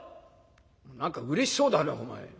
「何かうれしそうだねお前。